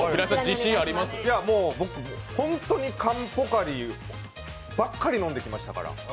僕、本当に缶ポカリばっかり飲んできましたから。